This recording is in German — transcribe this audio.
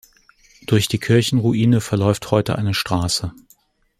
Durch die Kirchenruine verläuft heute eine Straße.